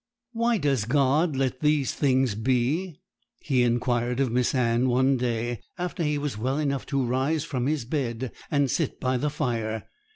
'Why does God let these things be?' he inquired of Miss Anne one day, after he was well enough to rise from his bed and sit by the fire.